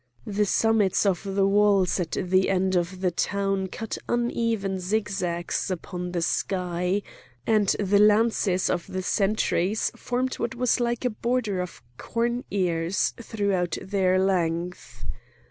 The summits of the walls at the end of the town cut uneven zigzags upon the sky, and the lances of the sentries formed what was like a border of corn ears throughout their length.